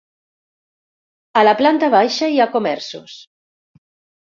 A la planta baixa hi ha comerços.